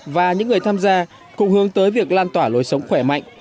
và những người tham gia cũng hướng tới việc lan tỏa lối sống khỏe mạnh